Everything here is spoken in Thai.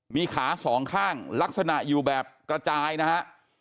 มีขาสองข้างลักษณะอยู่แบบกระจายนะฮะ